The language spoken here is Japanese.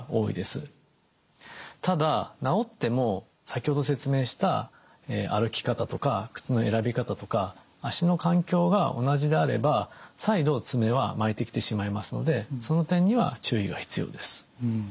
ただ治っても先ほど説明した歩き方とか靴の選び方とか足の環境が同じであれば再度爪は巻いてきてしまいますのでその点には注意が必要です。